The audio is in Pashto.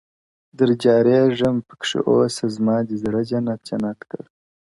در جارېږم پکښي اوسه زما دي زړه جنت جنت کړ,